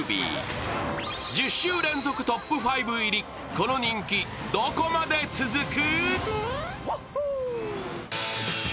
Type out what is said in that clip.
この人気、どこまで続く？